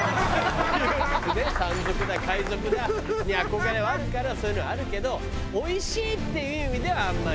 山賊だ海賊だに憧れはあるからそういうのはあるけどおいしいっていう意味ではあんまり。